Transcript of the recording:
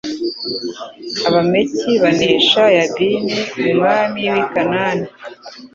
abameki banesha yabini umwami w i kanani